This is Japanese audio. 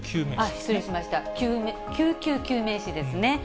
失礼しました、救急救命士ですね。